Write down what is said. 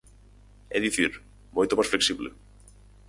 É dicir, moito máis flexible.